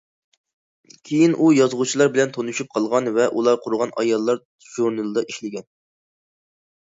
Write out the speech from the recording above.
كېيىن ئۇ يازغۇچىلار بىلەن تونۇشۇپ قالغان ۋە ئۇلار قۇرغان ئاياللار ژۇرنىلىدا ئىشلىگەن.